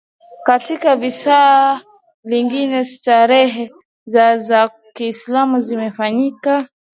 Katika visa vingine sherehe za za Kiislamu zimefanyika